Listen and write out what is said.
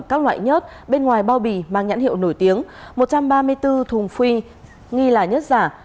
các loại nhớt bên ngoài bao bì mang nhãn hiệu nổi tiếng một trăm ba mươi bốn thùng phi nghi là nhất giả